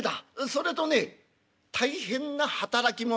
それとね大変な働き者。